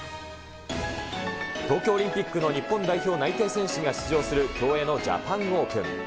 東京オリンピックの日本代表内定選手が出場する競泳のジャパンオープン。